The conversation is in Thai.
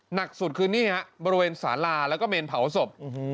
หนักสุดคือนี่ฮะบริเวณสาลาแล้วก็เมนเผาศพ